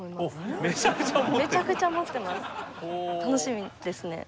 楽しみですね。